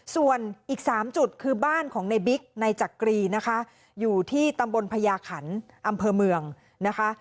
ส่วนอีก๓จุดคือบ้านของในบิ๊กในจักรีนะคะอยู่ที่ตำบลพญาขันอำเภอเมืองนะคะ